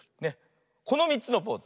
この３つのポーズ。